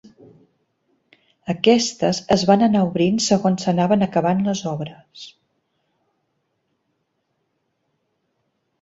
Aquestes es van anar obrint segons s'anaven acabant les obres.